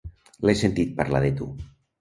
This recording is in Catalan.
L'he sentit parlar de tu.